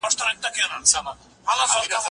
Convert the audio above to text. هغه وويل چي کار مهم دی!.